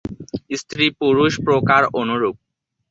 স্ত্রী-পুরুষ প্রকার অনুরূপ।